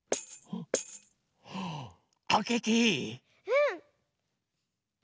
うん。